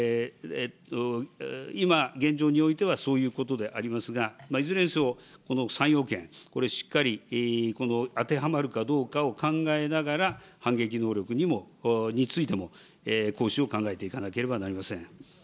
今、現状においてはそういうことでありますが、いずれにせよ、この３要件、これ、しっかり当てはまるかどうかを考えながら、反撃能力についても行使を考えていかなければなりません。